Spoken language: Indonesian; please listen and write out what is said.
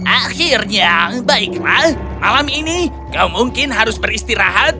akhirnya baiklah malam ini kau mungkin harus beristirahat